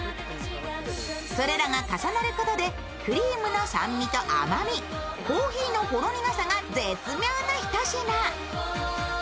それらが重なることでクリームの酸味と甘みコーヒーのほろ苦さが絶妙な一品。